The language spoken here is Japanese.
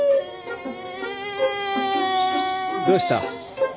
どうした？